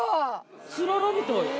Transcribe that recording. つららみたい。